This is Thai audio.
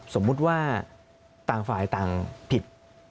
สมมุติว่าต่างฝ่ายต่างผิด